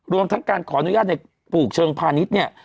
รวมทั้งการขออนุญาตในปลูกเชิงพาณิชย์เนี่ย